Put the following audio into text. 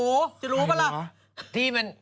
โหจะรู้ปะละ